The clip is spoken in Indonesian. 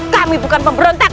kami bukan pemberontak